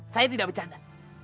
saya tidak bercanda